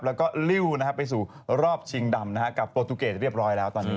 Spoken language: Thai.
แล้วก็ลิ้วไปสู่รอบชิงดำกับโปรตูเกตเรียบร้อยแล้วตอนนี้